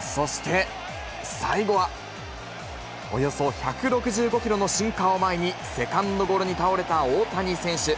そして最後は、およそ１６５キロのシンカーを前に、セカンドゴロに倒れた大谷選手。